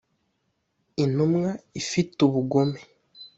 intumwa ifite ubugome